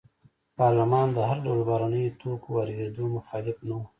پارلمان د هر ډول بهرنیو توکو واردېدو مخالف نه و.